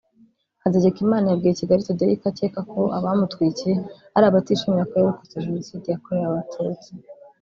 Hategekimana yabwiye Kigali today ko akeka ko abamutwikiye ari abatishimira ko yarokotse Jenoside yakorewe Abatutsi